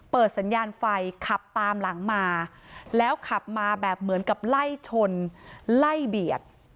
สัญญาณไฟขับตามหลังมาแล้วขับมาแบบเหมือนกับไล่ชนไล่เบียด